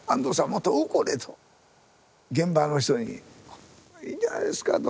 もっと怒れと現場の人に。いいんじゃないですかと。